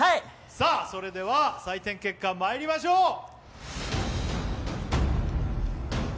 それでは採点結果まいりましょう！